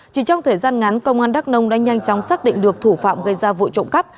chỉ trong thời gian ngắn công an đắk nông đã nhanh chóng xác định được thủ phạm gây ra vụ trộm cắp